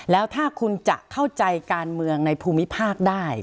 แล้วถ้าคุณจะเข้าใจการเมืองในภูมิภาคได้